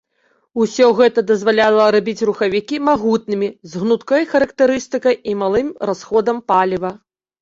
Усё гэта дазваляла рабіць рухавікі магутнымі, з гнуткай характарыстыкай і малым расходам паліва.